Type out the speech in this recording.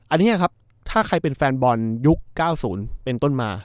อันนี้ครับถ้าใครเป็นแฟนบอลยุค๙๐เป็นต้นมา